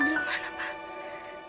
fadil mana pak